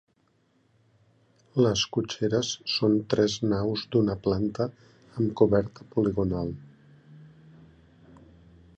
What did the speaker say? Les cotxeres són tres naus d'una planta amb coberta poligonal.